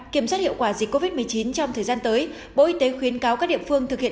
kiểm soát hiệu quả dịch covid một mươi chín trong thời gian tới bộ y tế khuyến cáo các địa phương thực hiện